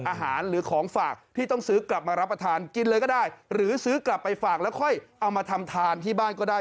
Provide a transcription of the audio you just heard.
หรือของฝากที่ต้องซื้อกลับมารับประทานกินเลยก็ได้หรือซื้อกลับไปฝากแล้วค่อยเอามาทำทานที่บ้านก็ได้